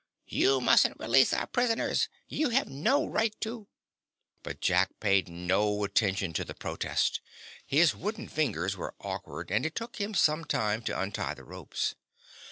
"You mustn't release our prisoners. You have no right to." But Jack paid no attention to the protest. His wooden fingers were awkward and it took him some time to untie the ropes.